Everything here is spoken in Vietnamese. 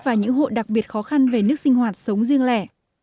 và những hộ đặc biệt khó khăn về nước sinh hoạt sống riêng lẻ